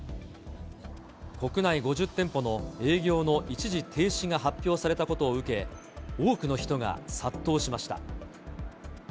国内５０店舗の営業の一時停止が発表されたことを受け、多くの人が殺到しました。